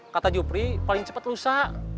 kata jupri paling cepat lusa